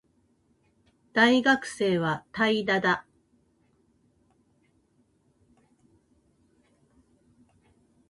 大学生は怠惰だ